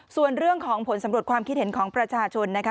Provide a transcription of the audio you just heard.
ส่วนเรื่องของผลสำรวจความคิดเห็นของประชาชนนะคะ